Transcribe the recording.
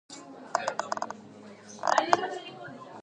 He also edited music for cello.